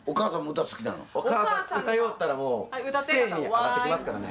歌いよったらもうステージに上がってきますからね。